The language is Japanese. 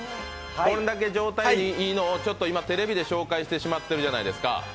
これだけ状態いいのをテレビで紹介してしまってるじゃないですか。